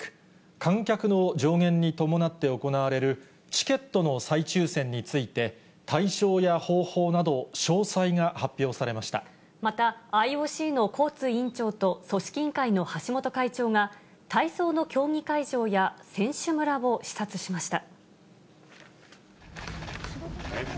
観客の上限に伴って行われるチケットの再抽せんについて、対象やまた、ＩＯＣのコーツ委員長と組織委員会の橋本会長が、体操の競技会場や選手村を視察しました。